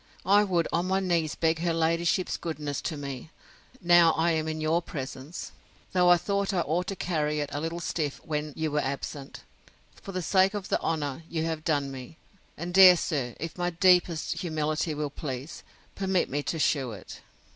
I would on my knees beg her ladyship's goodness to me, now I am in your presence; though I thought I ought to carry it a little stiff when you were absent, for the sake of the honour you have done me. And, dear sir, if my deepest humility will please, permit me to shew it.